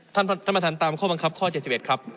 ท่านประธานตามข้อบังคับข้อ๗๑ครับ